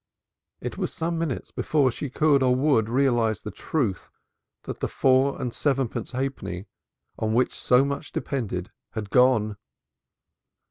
It was some minutes before she could or would realize the truth that the four and sevenpence halfpenny on which so much depended was gone.